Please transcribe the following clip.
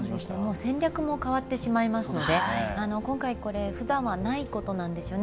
戦略も変わってしまいますのでこれ、ふだんはないことなんですよね。